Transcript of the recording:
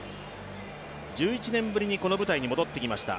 １１年ぶりにこの舞台に戻ってきました。